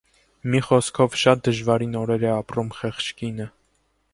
Մի խոսքով՝ շատ դժվարին օրեր է ապրում խեղճ կինը։